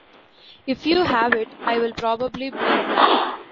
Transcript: If you have it I'll probably be glad.